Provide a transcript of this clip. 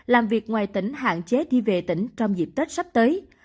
làm việc ngoài tỉnh hạn chế đi về tỉnh trong dịp tết sắp tới